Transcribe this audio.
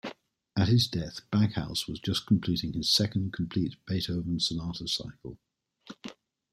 At his death, Backhaus was just completing his second complete Beethoven sonata cycle.